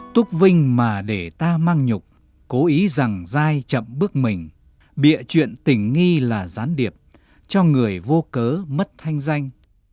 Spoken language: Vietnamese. túc vinh mà để ta mang nhục cố ý rằng giai chậm bước mình bịa chuyện tình nghi là gián điệp cho người vô cớ mất thanh danh